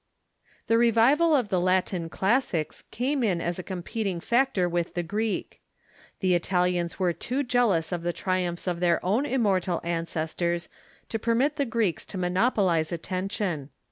The revival of the Latin classics came in as a competing factor with the Greek. The Italians were too jealous of the triumphs of their own immortal ancestors to per Revivai of Latin j^^ ^^^^^ Greeks to monopolize attention.